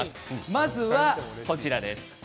まずは、こちらです。